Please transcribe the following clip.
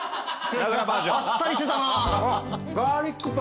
あっさりしてたな。